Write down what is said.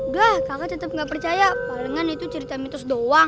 udah kakak tetap nggak percaya palingan itu cerita mitos doang